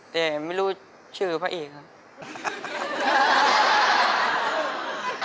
แต่ไม่รู้ชื่อพระเอกครับ